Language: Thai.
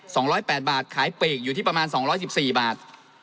สองร้อยแปดบาทขายปีกอยู่ที่ประมาณสองร้อยสิบสี่บาท